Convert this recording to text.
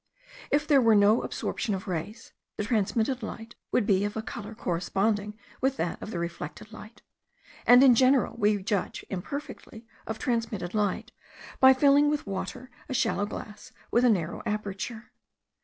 If there were no absorption of rays, the transmitted light would be of a colour corresponding with that of the reflected light; and in general we judge imperfectly of transmitted light, by filling with water a shallow glass with a narrow aperture.